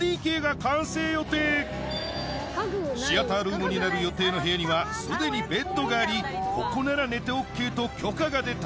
ああ。になる予定の部屋にはすでにベッドがありここなら寝てＯＫと許可が出た